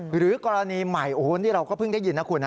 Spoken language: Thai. หรือกรณีใหม่โอ้โหนี่เราก็เพิ่งได้ยินนะคุณนะ